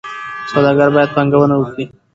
سوداګر باید پانګونه وکړي.